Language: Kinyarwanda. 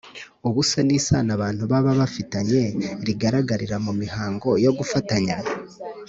ubuse ni isano abantu baba bafitanye rigaragarira mu mihango yo gufatanya